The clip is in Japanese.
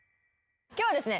今日はですね